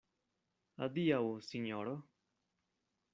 Adiaŭ, sinjoro.